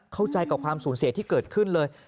เข้าใจกับความสูญเสียที่เกิดขึ้นเลย